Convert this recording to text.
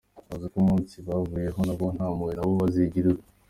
Bazi ko umunsi bavuyeho nabo nta mpuhwe nabo bazagirirwa.